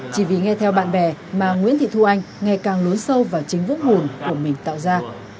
chỉ vì nghe theo bạn bè mà nguyễn thị thu anh nghe càng lối sâu vào chính vức nguồn của mình tạo ra